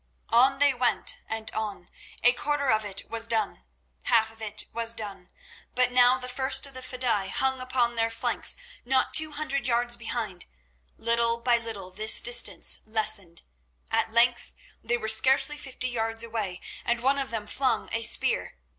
On they went, and on. A quarter of it was done. Half of it was done, but now the first of the fedaï hung upon their flanks not two hundred yards behind. Little by little this distance lessened. At length they were scarcely fifty yards away, and one of them flung a spear.